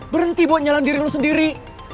berhenti buat nyalah diri lo sendiri